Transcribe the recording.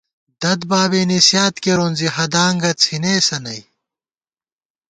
دَدبابےنِسیات کېرون زی ہدانگہ څِھنېسہ نئ